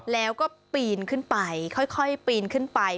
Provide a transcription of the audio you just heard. แล้วก็ปีนขึ้นไปค่อยปีนขึ้นไป